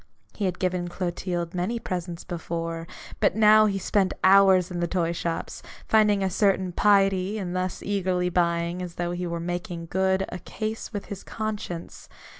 He had given Clotilde many presents before ; but now he spent hours in the toy shops, finding a certain piety in thus eagerly buying, as though he were making good a case with his conscience.